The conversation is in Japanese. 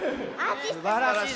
すばらしい。